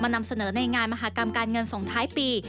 นำเสนอในงานมหากรรมการเงินส่งท้ายปี